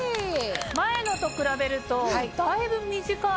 前のと比べるとだいぶ短い。